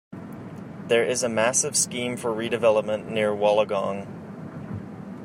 There is a massive scheme for redevelopment near Wollongong.